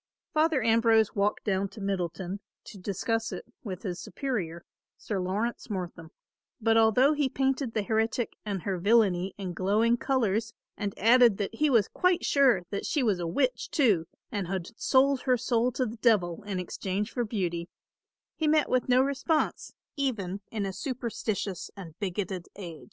Father Ambrose walked down to Middleton to discuss it with his superior, Sir Laurence Mortham, but although he painted the heretic and her villainy in glowing colours and added that he was quite sure that she was a witch too and had sold her soul to the devil in exchange for beauty, he met with no response, even in a superstitious and bigoted age.